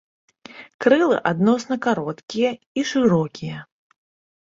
Крылы адносна кароткія і шырокія.